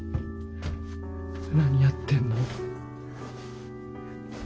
何やってんの？